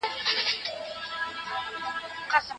ما د فشار په اړه ډېر څه زده کړي دي.